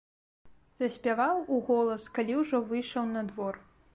Заспяваў уголас, калі ўжо выйшаў на двор.